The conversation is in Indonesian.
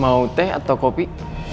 mau teh atau kopi